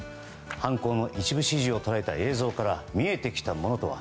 犯行の一部始終を捉えた映像から見えてきたものとは。